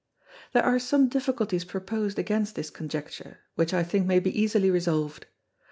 There are some Difficulties proposed against this Conjecture, which I think may be easily resolved.